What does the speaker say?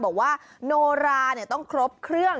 บอกว่าโนราต้องครบเครื่อง